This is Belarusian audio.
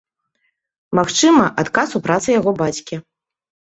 Магчыма, адказ у працы яго бацькі.